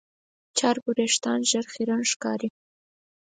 چرب وېښتيان ژر خیرن ښکاري.